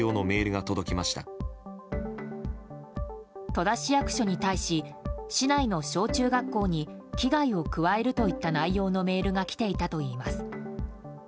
戸田市役所に対し市内の小中学校に危害を加えるといった内容のメールが来ていたといいます。